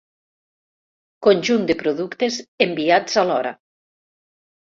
Conjunt de productes enviats alhora.